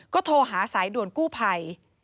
ก็โทรหาสายด่วนกู้ภัย